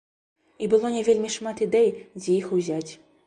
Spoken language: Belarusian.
І было не вельмі шмат ідэй, дзе іх узяць.